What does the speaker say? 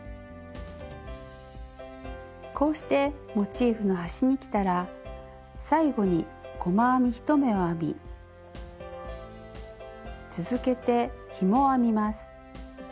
こうしてモチーフの端にきたら最後に細編み１目を編み続けてひもを編みます。